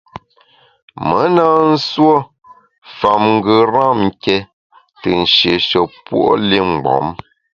Me na nsuo fam ngeram ké te nshiéshe puo’ li mgbom.